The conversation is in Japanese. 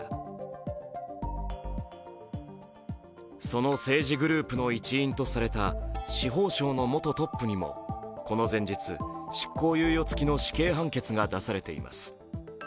その政治グループの一員とされた司法省の元トップにもこの前日、執行猶予付きの死刑判決が出されています。